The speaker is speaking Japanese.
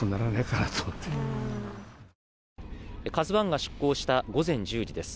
「ＫＡＺＵ１」が出航した午前１０時です。